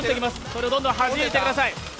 それをどんどんはじいてください。